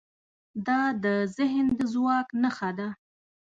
دا د ذهن د ځواک نښه ده.